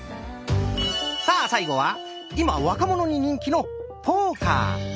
さあ最後は今若者に人気の「ポーカー」。